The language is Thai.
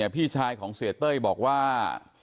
พี่ชายของเสียเต้ยบอกว่า